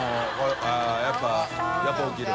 ◆舛やっぱやっぱ起きる？